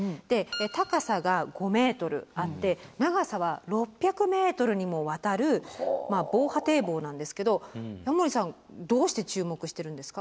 高さが５ｍあって長さは６００ｍにもわたる防波堤防なんですけど矢守さんどうして注目しているんですか？